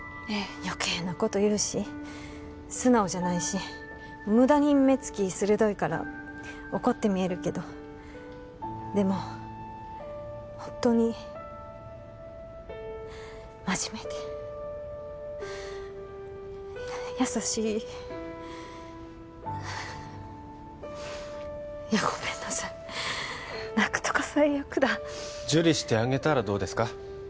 余計なこと言うし素直じゃないし無駄に目つき鋭いから怒ってみえるけどでもホントに真面目で優しいごめんなさい泣くとか最悪だ受理してあげたらどうですか？